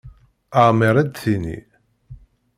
Amer ad tini.